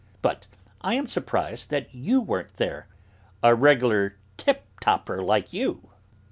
But I am surprised that you weren't there, a regular 'tip topper' like you."